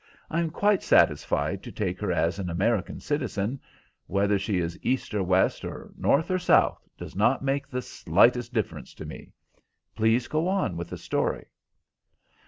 I am quite satisfied to take her as an American citizen; whether she is East or West, or North or South, does not make the slightest difference to me. Please go on with the story."